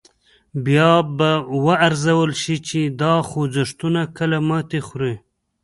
بیا به و ارزول شي چې دا خوځښتونه کله ماتې خوري.